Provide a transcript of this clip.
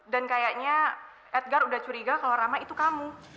kayaknya edgar udah curiga kalau rama itu kamu